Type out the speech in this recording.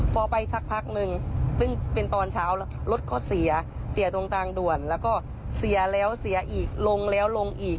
พอไปชักพักนึงเป็นตอนเช้ารถก็เสียตรงด่วนแล้วก็เสียแล้วเสียอีกลงแล้วลงอีก